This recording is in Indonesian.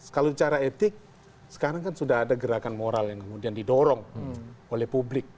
kalau cara etik sekarang kan sudah ada gerakan moral yang kemudian didorong oleh publik